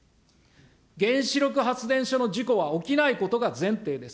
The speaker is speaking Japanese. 原子力発電所の事故は起きないことが前提です。